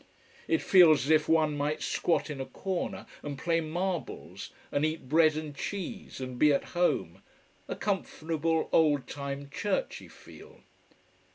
It feels as if one might squat in a corner and play marbles and eat bread and cheese and be at home: a comfortable old time churchey feel.